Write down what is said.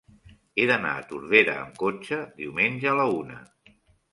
He d'anar a Tordera amb cotxe diumenge a la una.